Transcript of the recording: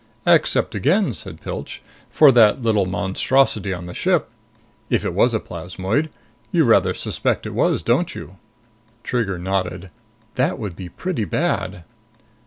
"Except again," said Pilch, "for that little monstrosity on the ship. If it was a plasmoid. You rather suspect it was, don't you?" Trigger nodded. "That would be pretty bad!"